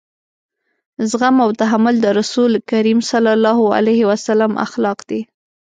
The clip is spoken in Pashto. زغم او تحمل د رسول کريم صلی الله علیه وسلم اخلاق دي.